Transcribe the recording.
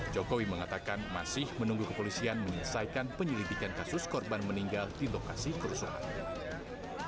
jokowi mengatakan masih menunggu kepolisian menyelesaikan penyelidikan kasus korban meninggal di lokasi kerusuhan